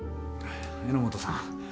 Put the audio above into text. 榎本さん。